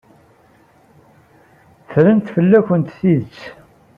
Ffrent fell-akent tidet.